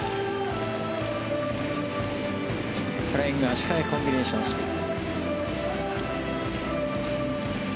フライング足換えコンビネーションスピン。